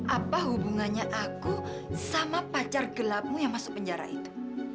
apa hubungannya aku sama pacar gelapmu yang masuk penjara itu